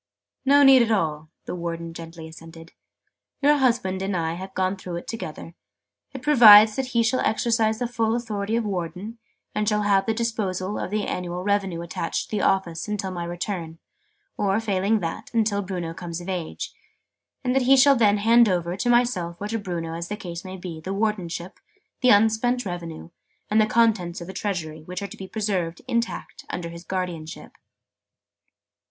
"No need at all," the Warden gently assented. "Your husband and I have gone through it together. It provides that he shall exercise the full authority of Warden, and shall have the disposal of the annual revenue attached to the office, until my return, or, failing that, until Bruno comes of age: and that he shall then hand over, to myself or to Bruno as the case may be, the Wardenship, the unspent revenue, and the contents of the Treasury, which are to be preserved, intact, under his guardianship."